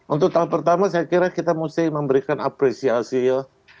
untuk tahap pertama saya kira kita mesti memberikan apresiasi ya